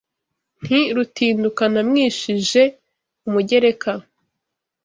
Nti Rutinduka namwishije umugereka